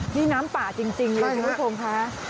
นี่น้ำปลาจริงเลยที่ผมพร้อมครับ